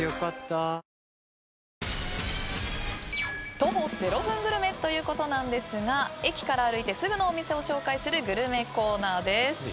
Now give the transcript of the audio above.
徒歩０分グルメということなんですが駅から歩いてすぐのお店を紹介するグルメコーナーです。